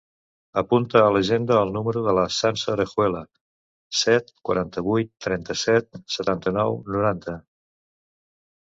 Apunta a l'agenda el número de la Sança Orejuela: set, quaranta-vuit, trenta-set, setanta-nou, noranta.